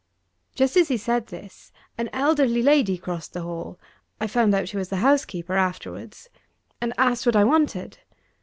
Just as he said this, an elderly lady crossed the hall (I found out she was the housekeeper, afterwards), and asked what I wanted.